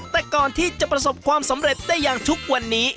แต่ก่อนที่จะประสบความสำเร็จได้อย่างทุกวันนี้